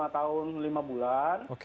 lima tahun lima bulan